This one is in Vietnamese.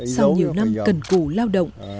sau nhiều năm cần củ lao động